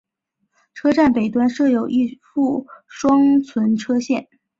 车站北端设有一副双存车线。